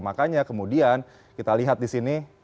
makanya kemudian kita lihat di sini